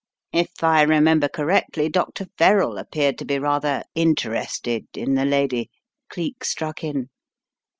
"If I remember correctly, Dr. Verrall appeared to be rather 'interested' in the lady," Cleek struck in.